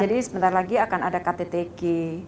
jadi sebentar lagi akan ada ktt g tujuh puluh tujuh